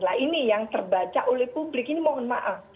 nah ini yang terbaca oleh publik ini mohon maaf